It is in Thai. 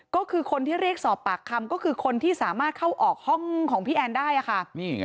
ก็คือคนที่เรียกสอบปากคำก็คือคนที่สามารถเข้าออกห้องของพี่แอนได้ค่ะ